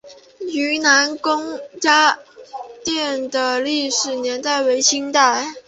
愈南公家庙的历史年代为清代。